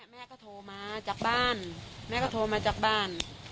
แม่ก็โทรมาจากบ้าน